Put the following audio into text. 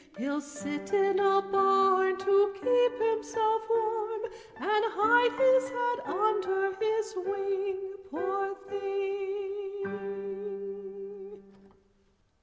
He'll sit in a barn To keep himself warm, And hide his head under his wing poor thing!